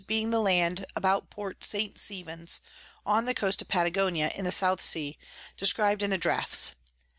being the Land about Port St. Stephen's on the Coast of Patagonia in the South Sea, describ'd in the Draughts.